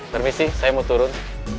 permisi saya mau turun